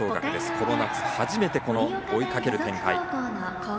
この夏、初めての追いかける展開。